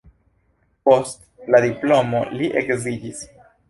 Post la diplomo li edziĝis.